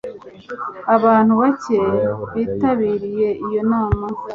abantu bake bitabiriye iyo nama